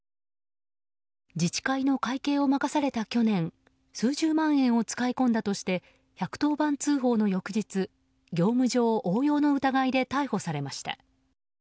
自治会の会計を任された去年数十万円を使い込んだとして１１０番通報の翌日業務上横領の疑いで逮捕されました。